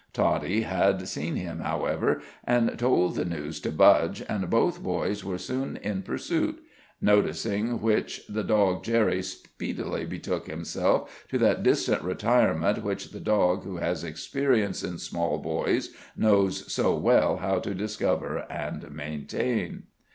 Toddie had seen him, however, and told the news to Budge, and both boys were soon in pursuit; noticing which the dog Jerry speedily betook himself to that distant retirement which the dog who has experience in small boys knows so well how to discover and maintain.